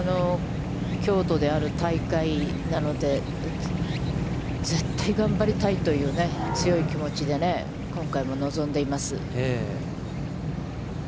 京都である大会なので、絶対頑張りたいという強い気持ちで今回も臨んでいます。